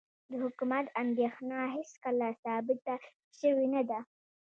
د حکومت اندېښنه هېڅکله ثابته شوې نه ده.